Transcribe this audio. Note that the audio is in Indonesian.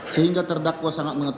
sehingga terdakwa sangat berhenti